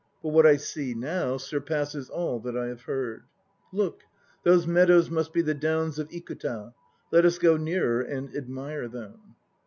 But what I see now surpasses all that I have heard. Look! Those meadows must be the Downs of Ikuta. Let us go nearer and admire them.